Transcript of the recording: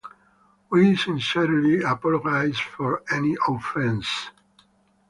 We sincerely apologize for any offense.